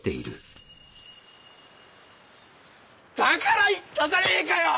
だから言ったじゃねえかよ！